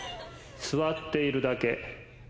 「座っているだけ」